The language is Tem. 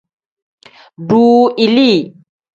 Duu ilii.